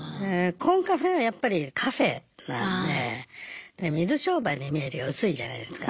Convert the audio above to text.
コンカフェはやっぱりカフェなんで水商売のイメージが薄いじゃないですか。